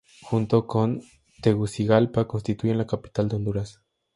Junto con Tegucigalpa, constituyen la capital de Honduras.